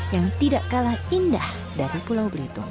yang tidak kalah indah dari pulau belitung